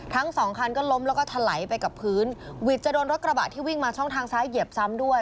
ทั้งสองคันก็ล้มแล้วก็ถลายไปกับพื้นวิทย์จะโดนรถกระบะที่วิ่งมาช่องทางซ้ายเหยียบซ้ำด้วย